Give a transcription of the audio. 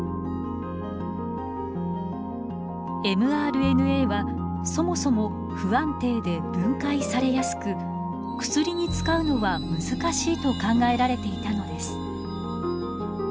ｍＲＮＡはそもそも不安定で分解されやすく薬に使うのは難しいと考えられていたのです。